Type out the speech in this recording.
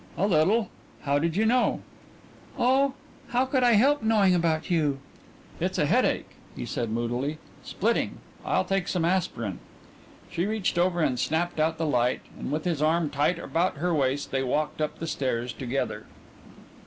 "A little. How did you know?" "Oh, how could I help knowing about you?" "It's a headache," he said moodily. "Splitting. I'll take some aspirin." She reached over and snapped out the light, and with his arm tight about her waist they walked up the stairs together.